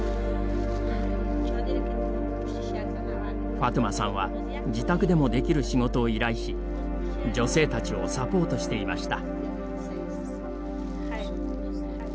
ファトゥマさんは自宅でもできる仕事を依頼し女性たちをサポートしていました。